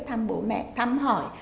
thăm bố mẹ thăm hỏi